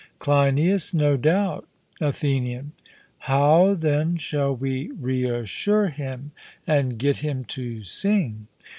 CLEINIAS: No doubt. ATHENIAN: How, then, shall we reassure him, and get him to sing?